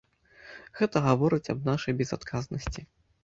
Гэта гаворыць аб нашай безадказнасці.